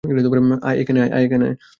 অ্যাই, এখানে আয়!